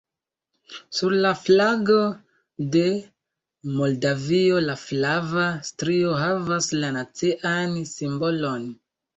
Sur la flago de Moldavio la flava strio havas la nacian simbolon.